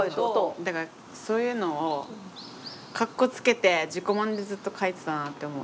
だからそういうのをかっこつけて自己満でずっと書いてたなって思う。